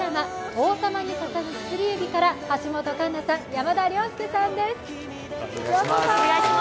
「王様に捧ぐ薬指」から橋本環奈さん、山田涼介さんです、ようこそ！